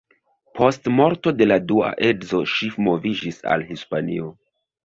Post morto de la dua edzo ŝi moviĝis al Hispanio.